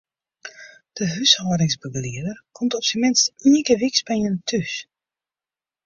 De húshâldingsbegelieder komt op syn minst ien kear wyks by jin thús.